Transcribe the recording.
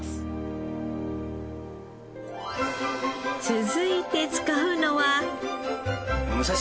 続いて使うのは。